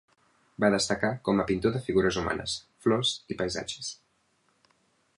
Va destacar com a pintor de figures humanes, flors i paisatges.